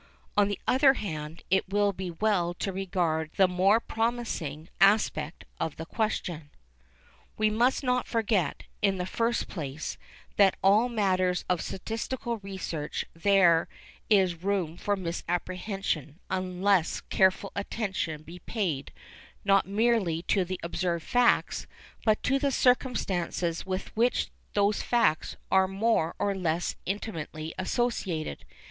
On the other hand, it will be well to regard the more promising aspect of the question. We must not forget, in the first place, that in all matters of statistical research there is room for misapprehension unless careful attention be paid, not merely to the observed facts, but to the circumstances with which those facts are more or less intimately associated.